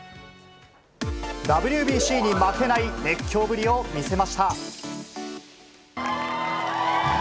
ＷＢＣに負けない熱狂ぶりを見せました。